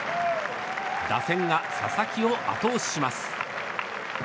打線が佐々木を後押しします。